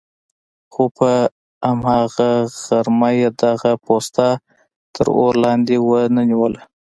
خو په هماغه غرمه یې دغه پوسته تر اور لاندې ونه نیوله.